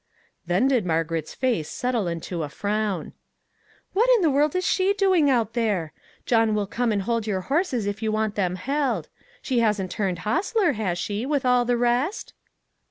Then did Margaret's face settle into a frown. " What in the world is she doing out there? John will come and hold your horses if you want them held. She hasn't turned hostler, has she, with all the rest?